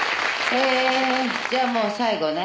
えーじゃあもう最後ね。